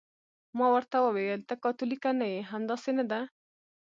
ما ورته وویل: ته کاتولیکه نه یې، همداسې نه ده؟